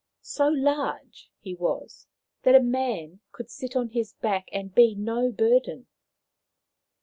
So large he was that a man could sit on his back and be no burden.